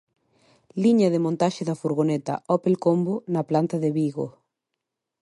Liña de montaxe da furgoneta Opel Combo na planta de Vigo.